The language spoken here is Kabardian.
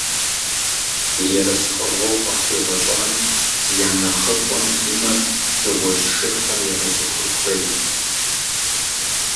Ерыскъыгъуэу къахуигъэщӀам я нэхъыфӀым и мэр дыгъужь шырхэм егъэцӀыхун хуейт!